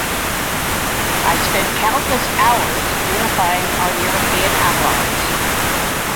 I spent countless hours unifying our European allies.